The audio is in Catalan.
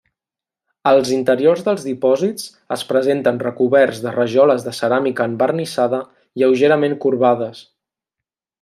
Els interiors dels dipòsits es presenten recoberts de rajoles de ceràmica envernissada lleugerament corbades.